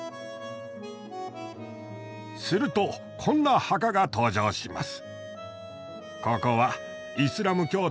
するとこんな墓が登場します。